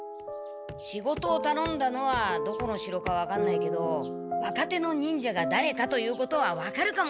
仕事をたのんだのはどこの城かわかんないけど若手の忍者がだれかということはわかるかもしれない。